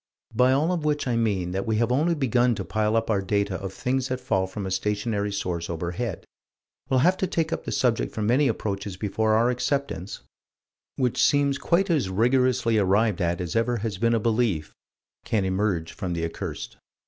By all of which I mean that we have only begun to pile up our data of things that fall from a stationary source overhead: we'll have to take up the subject from many approaches before our acceptance, which seems quite as rigorously arrived at as ever has been a belief, can emerge from the accursed.